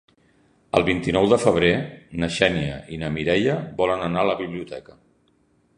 El vint-i-nou de febrer na Xènia i na Mireia volen anar a la biblioteca.